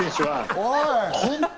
おい！